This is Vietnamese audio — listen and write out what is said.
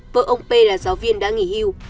vợ ông p là giáo viên đã nghỉ hưu